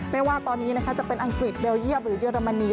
ไม่ว่าตอนนี้นะคะจะเป็นอังกฤษเบลเยี่ยมหรือเยอรมนี